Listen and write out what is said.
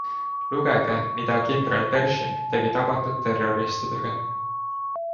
Lugege, mida kindral Pershing tegi tabatud terroristidega.